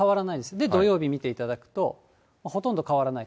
で、土曜日見ていただくと、ほとんど変わらない。